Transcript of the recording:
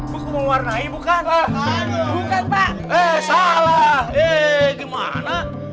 buku mau warnai bukan